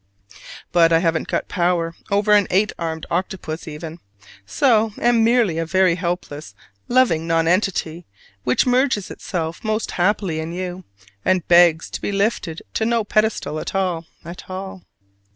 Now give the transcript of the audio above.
But I haven't got power over an eight armed octopus even: so am merely a very helpless loving nonentity which merges itself most happily in you, and begs to be lifted to no pedestal at all, at all.